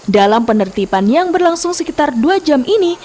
dalam penertiban yang berlangsung sekitar dua jam ini